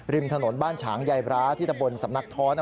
ริมถนนบ้านฉางยายบร้าที่ตะบนสำนักท้อ